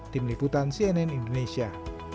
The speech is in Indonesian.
tim liputan cnn indonesia